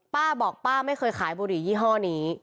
ป้าบอกป้าไม่เคยขายบุหรี่ยี่ห้อนี้